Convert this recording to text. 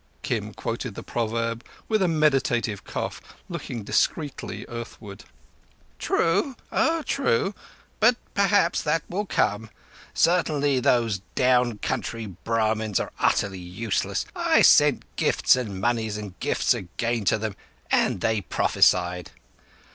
Kim quoted the proverb with a meditative cough, looking discreetly earthward. "True—oh, true. But perhaps that will come. Certainly those down country Brahmins are utterly useless. I sent gifts and monies and gifts again to them, and they prophesied."